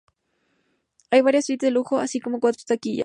Hay varias suites de lujo, así como cuatro taquillas.